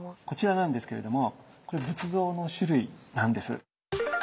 こちらなんですけれどもこれ仏像の種類なんです。